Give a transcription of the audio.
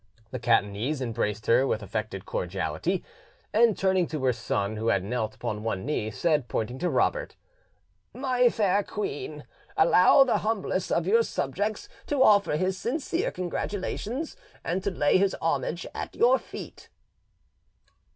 The Catanese embraced her with affected cordiality, and turning, to her son, who had knelt upon one knee, said, pointing to Robert— "My fair queen, allow the humblest of your subjects to offer his sincere congratulations and to lay his homage at your feet."